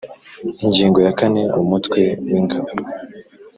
Ingingo ya kane Umutwe w’Ingabo